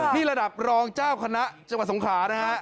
นี่ระดับรองเจ้าคณะจังหวัดสงขลานะฮะ